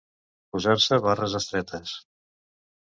Posar-se barres estretes.